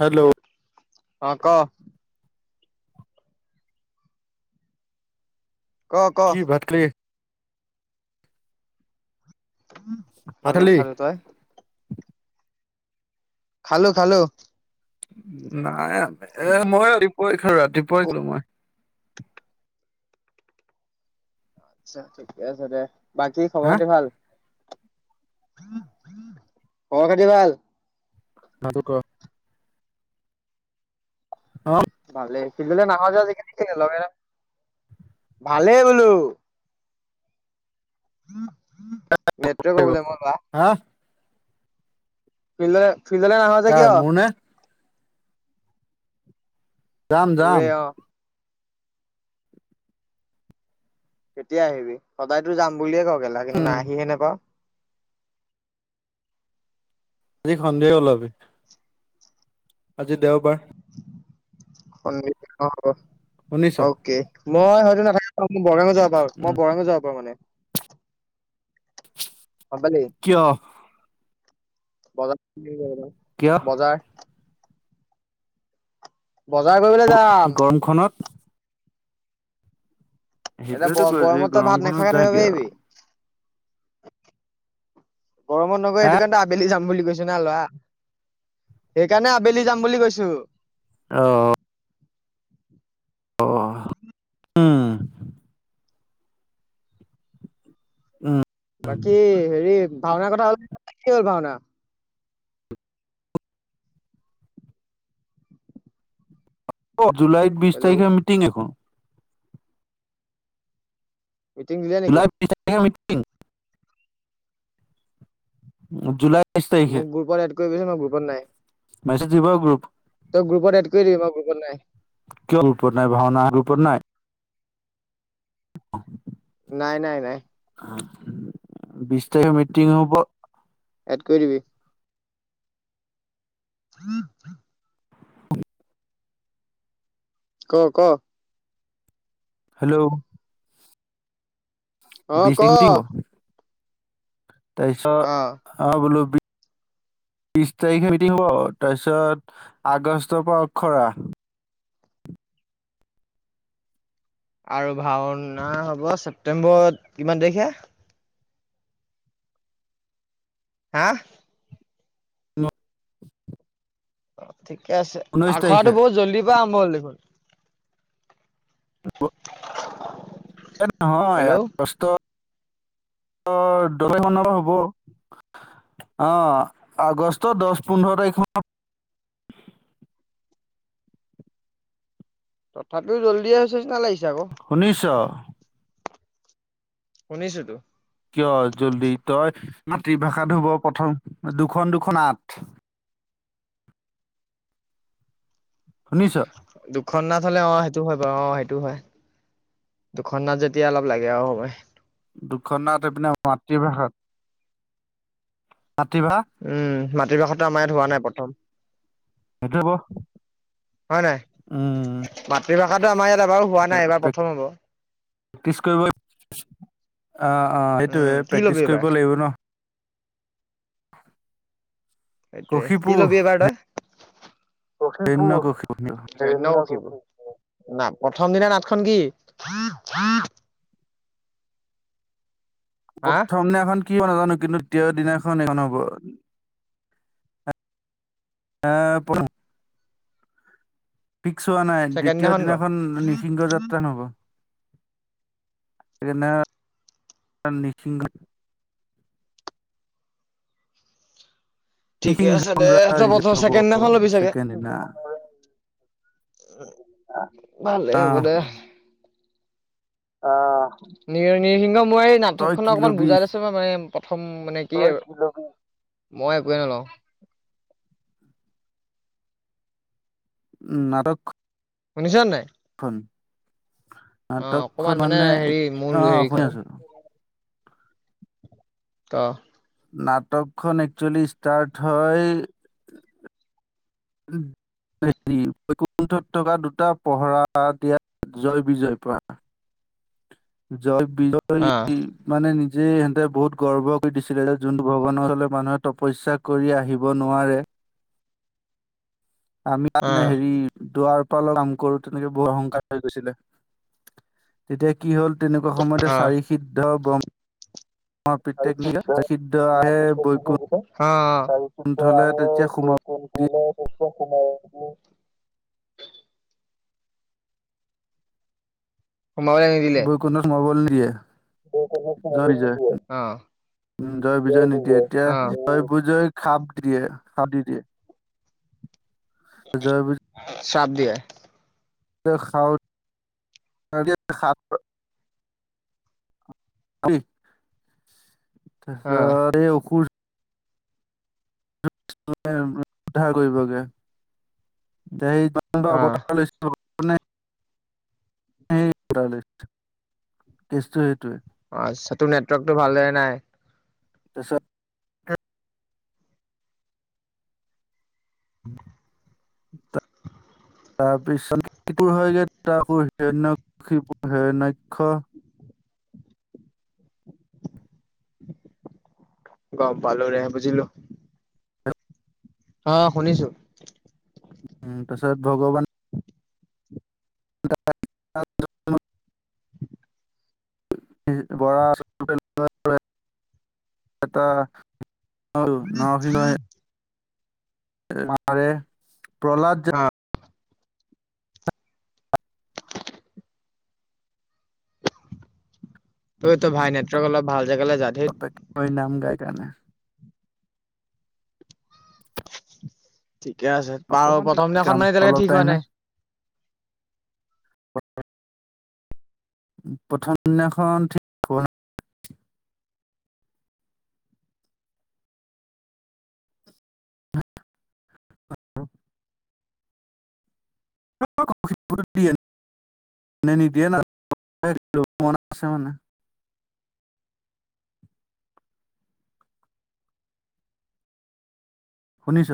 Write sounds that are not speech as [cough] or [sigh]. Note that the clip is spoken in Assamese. হেল্ল'। অ ক। ক ক কি ভাত খালি। ভাত খালোঁ খালি? খালোঁ তই। খালোঁ খালোঁ। নাই এ মই ৰাতিপুৱাই খালোঁ ৰাতিপুৱাই খালোঁ মই। [unintelligible] আচ্ছা ঠিকে আছে দে বাকী খবৰ হা খাতি ভাল। খবৰ খাতি ভাল। ন ত ক [unintelligible] অ। ভালে ফিল্ডলে নাহ যে আজি কালি লগে এৰ ভালেই বোলো। নেট প্ৰব্লেম হ'বলা- হা ফিল ফিলডলে নাহ যে কাৰ কিয়? মোৰ নে যাম যাম। তোৰে অ কেতিয়া আহিবি সদায়তো যাম বুলিয়ে ক কেলা কিন্তু আহিহে নেপাওঁ। আজি সন্ধিয়া ওলাবি- আজি দেওবাৰ- শুনিছ? অকে মই হয়তো নাথাকিব। অ মোৰ বৰঙগ যাবাৰ উম মই বৰঙগও যাব পাৰো মানে গম পালি কিয় পালেই বজাৰ কিয় বজাৰ বজাৰ কৰিবলৈ যাম গৰমখনত? এ সেইটোয়েতো কৈছো এই গৰমত ভাত গৰমখনত নোখোৱাকে যায় কি থাকিব আৰু। পাৰিবি- পৰমত নগৰে হা সেইটো কাৰণে আবেলি যাম বুলি। গৈছো না লোৱা সেইকাৰণে আবেলি যাম বুলি কৈছো। অ। অ উম। উম। বাকী হেৰি ভাওনাৰ কথা হ'ল কি হ'ল ভাওনা, অ জুলাইত বিশ হেল্ল' তাৰিখে মিটিং এখন- মিটিং দিলে নেকি? অ। জুলাই। তাৰিখে মোক গ্ৰুপত এড কৰি দিবি মই গ্ৰুপত নাই। মেছেজ দিব গ্ৰুপ তই গ্ৰুপত এড কৰি দিবি মই গ্ৰুপত নাই কিয় নাই ভাওনা গ্ৰুপ- তোত নাই। [unintelligible] নাই নাই নাই। বিশ তাৰিখে মিটিং হব। এড কৰি দিবি। চ চ। ক ক। হেল্ল' অ বিশ ক তাৰিখে মিটিং হ'ব। তাৰ অ পিছত অ বোলো বি- বিশ তাৰিখে মিটিং হ'ব তাৰপিছত আগষ্টৰ পৰা অখৰা। আৰু ভাওনা, হ'ব ছেপ্তেম্বৰত কিমান তাৰিখে- হা। ঠিকে আছে ঊনৈশ তাৰিখে আখৰাটো বহুত জল্দি পৰা আৰম্ভল দেখোন। হ। [unintelligible] এ নহয় হেল্ল' কষ্ট অ দলেখন হ'ব। আহ আগষ্ট দহ পোন্ধৰ তাৰিখ- তথাপিও জল্দিয়ে হৈছে, না লাগিছে। আকৌ শুনিছ- শুনিছো তো কিয় জল্দি তই- মাতৃভাষা ধুব প্ৰথম দুখন দুখন আঠ শুনিছ। খন নাথালে অ সেইটো হয় বাৰু অ সেইটো হয়। দুখনাত যেতিয়া অলপ লাগে আৰু সময় দুখনাত এইপিনে মাতৃভাষাত মাতৃভাষা উম মাতৃভাষাতো আমাৰ ইয়াত হোৱা নাই প্ৰথম এতিযাব হয় নাই মাতৃভাষাতটো আমাৰ ইয়াত এবাৰ হোৱা নাই এবাৰ প্ৰথম হ'ব। প্ৰেক্টিছ কৰিব অ অ উম সেইটোৱে কি ল'বি প্ৰেক্টিছ এইবাৰ কৰিব লাগিব ন। সেইটোৱে কষিপু কি ল'বি এইবাৰ তই? কখি প অন্য কষিপু নখি। [unintelligible] না প্ৰথম দিনা নাটখন কি? হা প্ৰথম দিনাখন কি হ'ব নাজানো কিন্তু দ্বিতীয় দিনাখন সেখন হ'ব, আহ প। ফিক্স হোৱা নাই ছেকেণ্ড দ্বিতীয় ক দিনাখন নিঃসিংহ যাত্ৰা নহ'ব। নে নিসিংঘ। ঠিকে নিসিংহ আছে দে ত প্ৰথ হ'ব ছেকেণ্ডদিনাখন ল'বি চাগে, ছেকেণ্ড দিনা ভালেই হ'ব আহ দে অ নি নিৰসিংহ মই তই নাটকখনক কি অকমান লবি বুজাই দিছো মই মানে প্ৰথম মানে কি মই একোৱে নলওঁ। নাৰক, শুনিছ নাই? অ নাটকখন অকমান মানে হেৰি মূল অ হেৰিখন অসমীয়া হয়‌। ত নাটকখন একচুৱেলি ষ্টাৰ্ট হয়- হেৰি বৈকুণ্ঠত থকা দুটা পহৰা দিয়াত জয় বিজয় পৰা জয় অ অ বিজয় মানে নিজ যে ইিহঁতে বহুত গৰ্ব কৰি দিছিলে যোনটো ভৱন চলে মানুহে তপস্যা কৰি আহিব নোৱাৰে, [inaudible] আমি তাৰে হেৰি দুৱাৰ পালৰ কাম কৰো তেনেকে বৰ অহংকাৰ হৈ গৈছিলে তেতিয়া কি হ'ল। তেনেকুৱা সময়তে চাৰি সিদ্ধ ব্ৰ কছে আহে [unintelligible] অহ বৈকুণ্ঠলে চাৰি তেতিয়া সোমাব সিদ্ধ দিয়ে আৰু বৈকুণ্ঠ লে বৈকুণ্ঠত সোমাব নিদিয়ে, অহ উ জয় বিজয় নিদিয়ে এতিয়া জয় বিজয় খাপ দিয়ে খাপ দি দিয়ে। জয়। চাপ দিয়ে। খা [unintelligible] অ জাৰে অসুৰ উদ্ধাৰ কৰিবগে সেই যমান অ অৱতাৰ লৈছিল। কেছটো সেইটোৱে। আচ্ছা তোৰ নেটৱৰ্কতটো ভাল হয় নাই। তাৰপিছত [unintelligible] তাৰপিছত কিতু হয়গে তাকো হিৰনকখিপুৰ হিৰনাক্ষ গম পালোঁ ৰে বুজিলো। অ শুনিছোঁ। উম, তাৰছত ভগৱান [unintelligible] [unintelligible] [unintelligible] [unintelligible] মাৰে প্ৰহ্লাদ অ ত' এতো ভাই নেটৱৰ্ক অলপ ভাল জেগালে যা ধেত কেনে ঠিকে আছে বাৰু অকমান প্ৰথম কাম দিনাখন মানে এতিয়ালৈকে অলপ ঠিক হোৱা টাইমহে নাই? প্ৰথম দিনাখন ঠিক [inaudible] নিদিয়ে ন ম আছে মানে শুনিছ